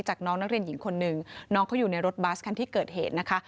น้องนักเรียนหญิงคนหนึ่งน้องเขาอยู่ในรถบัสคันที่เกิดเหตุนะคะ